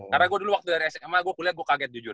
karena dulu waktu gue dari sma ke kuliah gue kaget jujur